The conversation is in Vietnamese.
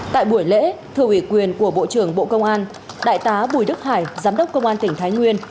tại buổi lễ thưa ủy quyền của bộ trưởng bộ công an đại tá bùi đức hải giám đốc công an tỉnh thái nguyên